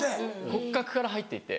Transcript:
骨格から入って行って。